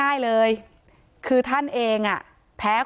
การแก้เคล็ดบางอย่างแค่นั้นเอง